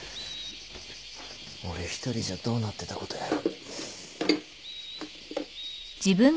俺一人じゃどうなってたことやら。